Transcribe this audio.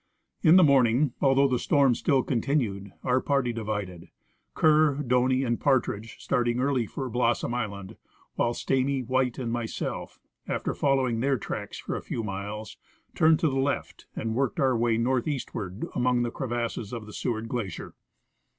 In the morning, although the storm still continued, our party divided, Kerr, Doney, and Partridge starting early for Blossom island, while Stamy, White, and myself, after following their tracks for a few miles, turned to the left and worked our way northeastward among the crevasses of the Seward glacier.